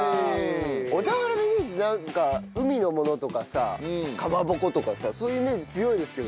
小田原のイメージなんか海のものとかさかまぼことかさそういうイメージ強いですけどね。